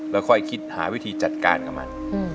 แล้วค่อยคิดหาวิธีจัดการกับมัน